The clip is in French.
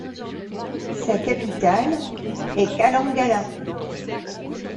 Sa capitale est Kalangala.